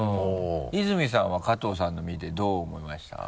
泉さんは加藤さんの見てどう思いました？